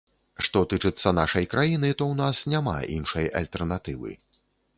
Што тычыцца нашай краіны, то ў нас няма іншай альтэрнатывы.